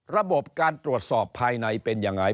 ระบบการตรวจสอบภายในเป็นยังไง